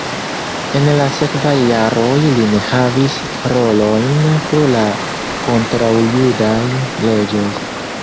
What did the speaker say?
En la sekvaj jaroj li ne havis rolojn pro la kontraŭjudaj leĝoj.